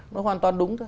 nó hoàn toàn đúng thôi